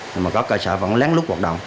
nhưng mà các cơ sở vẫn len lút hoạt động